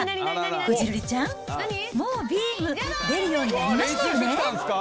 こじるりちゃん、もうビーム、出るようになりましたよね？